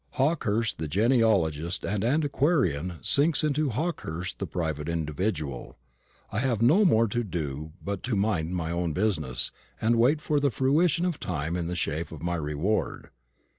Hawkehurst the genealogist and antiquarian sinks into Hawkehurst the private individual. I have no more to do but to mind my own business and await the fruition of time in the shape of my reward.